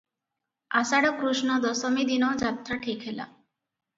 ଆଷାଢ କୃଷ୍ଣ ଦଶମୀ ଦିନ ଯାତ୍ରା ଠିକ ହେଲା ।